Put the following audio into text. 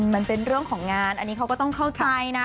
มันเป็นเรื่องของงานอันนี้เขาก็ต้องเข้าใจนะ